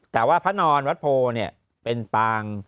แต่ว่าพระนอนวัดโพเป็นปาง